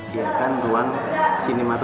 dia kan ruang sinematografi